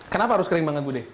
kenapa harus kering banget bu deh